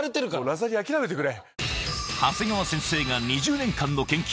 ラザニア諦めてくれ。